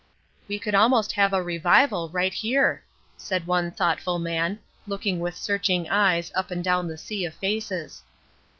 "We could almost have a revival, right here," said one thoughtful man, looking with searching eyes, up and down the sea of faces.